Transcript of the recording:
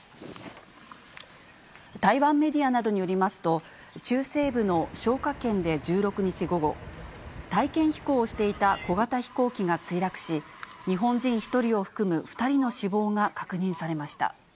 台湾メディアなどによりますと、中西部の彰化県で１６日午後、体験飛行をしていた小型飛行機が墜落し、日本人１人を含む２人の死亡が確認されました。